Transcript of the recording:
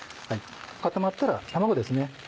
固まったら卵ですね。